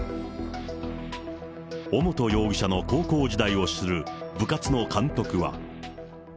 尾本容疑者の高校時代を知る部活の監督は。